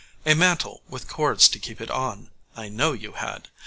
A mantle, with cords to keep it on, I know you had.